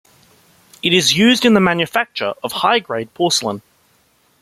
It is used in the manufacture of high grade porcelain.